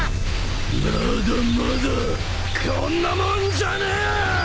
まだまだ！こんなもんじゃね！